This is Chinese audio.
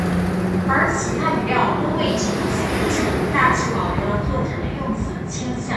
而其他语料多未经此流程，大致保留了作者的用词倾向。